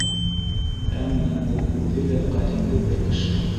Әммә ул үҙе лә ҡәҙимге бер кеше.